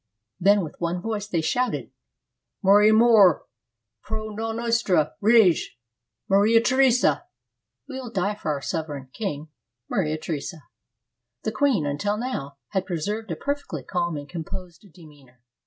Then with one voice they shouted, "Moriamur pro nos tra rege, IVIaria Theresa," — We will die for our sover eign [king], Maria Theresa. The queen, until now, had preserved a perfectly calm and composed demeanor.